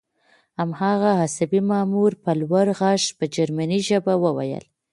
هماغه عصبي مامور په لوړ غږ په جرمني ژبه وویل